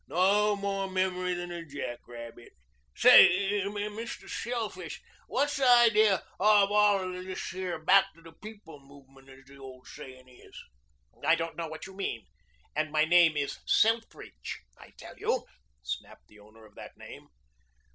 No more memory than a jackrabbit. Say, Mr. Shellfish, what's the idee of all this here back to the people movement, as the old sayin' is?" "I don't know what you mean. And my name is Selfridge, I tell you," snapped the owner of that name.